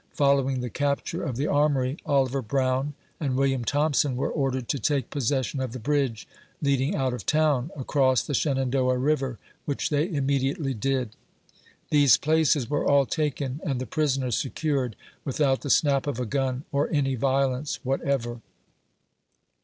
Following the capture of the Armory, Oliver Brown and William Thompson were ordered to take possession of the bridge leading out of town, across the Shenandoah river, which they immediately did. These places were all taken, and the prisoners secured, without the snap of a gun, or any violence whatever.